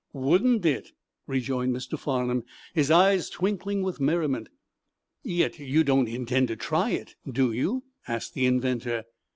"Wouldn't it?" rejoined Mr. Farnum, his eyes twinkling with merriment. "Yet you don't intend to try it, do you?" asked the inventor.